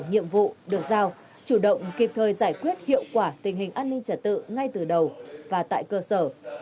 nhiệm vụ được giao chủ động kịp thời giải quyết hiệu quả tình hình an ninh trả tự ngay từ đầu và tại cơ sở